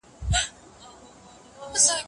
سیستم ستاسو وخت او تېروتنې حسابوي.